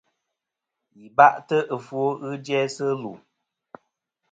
Yi ba'tɨ ɨfwo ghɨ jæsɨ lu.